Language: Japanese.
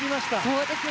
そうですね。